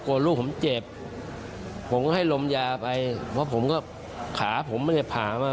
ลูกผมเจ็บผมก็ให้ลมยาไปเพราะผมก็ขาผมไม่ได้ผ่ามา